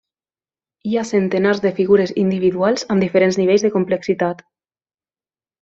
Hi ha centenars de figures individuals amb diferents nivells de complexitat.